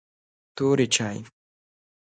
توري چای